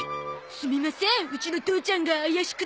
すみませんうちの父ちゃんが怪しくて。